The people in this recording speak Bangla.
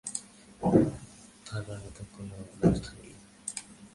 ধরবার মতো কোনো ব্যবস্থা নেই।